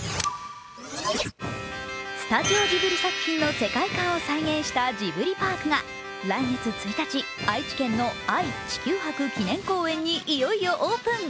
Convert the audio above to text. スタジオジブリ作品の世界観を再現したジブリパークが来月１日愛・地球博記念公園にいよいよオープン。